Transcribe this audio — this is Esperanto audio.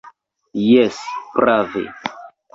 Jes, prave.